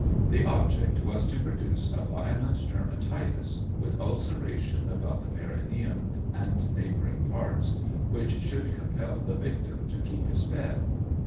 The object was to produce a violent dermatitis, with ulceration about the perineum and neighbouring parts, which should compel the victim to keep his bed.